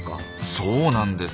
そうなんです。